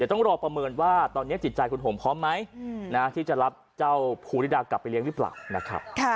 ต้องรอประเมินว่าตอนนี้จิตใจคุณห่มพร้อมไหมที่จะรับเจ้าภูริดากลับไปเลี้ยงหรือเปล่านะครับ